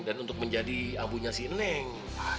dan untuk menjadi abunya si neng